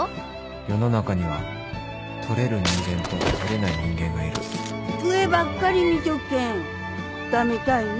世の中には取れる人間と取れない人間がいる上ばっかり見ちょっけん駄目たいね。